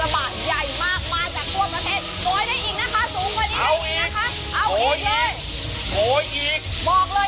บอกเลยว่าเยอะมากจริง